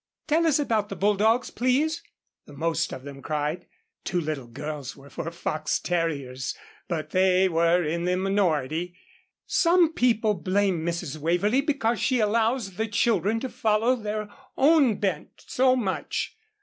"Tell us about bulldogs, please," the most of them cried. Two little girls were for fox terriers, but they were in the minority. Some people blame Mrs. Waverlee because she allows the children to follow their own bent so much.